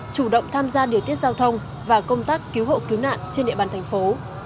chủ động tham gia điều tiết giao thông và công tác cứu hộ cứu nạn trên địa bàn thành phố